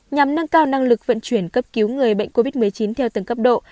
nhằm nâng cao năng lực vận chuyển cấp cứu người bệnh covid một mươi chín theo từng cấp độ